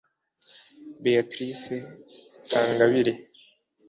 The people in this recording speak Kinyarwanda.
Beatrice Kangabire